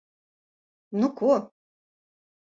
Nu ko...